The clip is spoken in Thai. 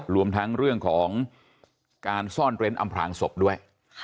รวมทั้งเรื่องของการซ่อนเร้นอำพลางศพด้วย